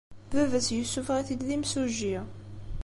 Baba-s yessuffeɣ-it-id d imsujji.